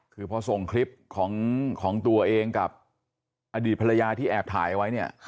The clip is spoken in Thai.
คือพอส่งคลิปของตัวเองกับอดีตภรรยาที่แอบถ่ายไว้เนี่ย